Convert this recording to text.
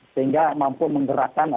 sehingga mampu menggerakkan